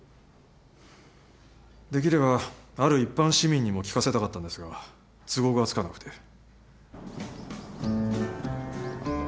できればある一般市民にも聞かせたかったんですが都合がつかなくて。